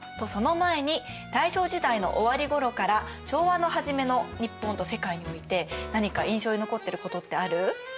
その前に大正時代の終わりごろから昭和の初めの日本と世界において何か印象に残ってることってある？